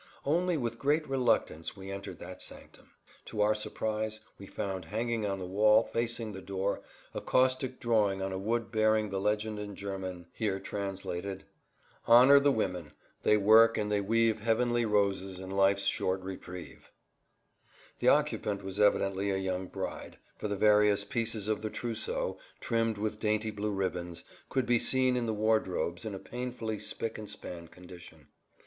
Only with great reluctance we entered that sanctum. To our surprise we found hanging on the wall facing the door a caustic drawing on wood bearing the legend in German: "Ehret die Frauen, sie flechten und weben himmlische Rosen ins irdische Leben." (Honor the women, they work and they weave heavenly roses in life's short reprieve.) The occupant was evidently a young bride, for the various pieces of the trousseau, trimmed with dainty blue ribbons, could be seen in the wardrobes in a painfully spick and span condition.